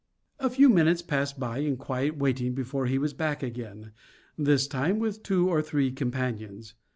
A few minutes passed by in quiet waiting before he was back again, this time with two or three companions.